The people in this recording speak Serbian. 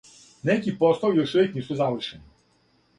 Неки послови још увек нису завршени.